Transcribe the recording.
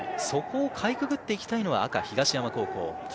そこをかいくぐって行きたいのは赤・東山高校。